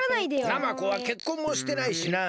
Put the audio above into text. ナマコはけっこんもしてないしな。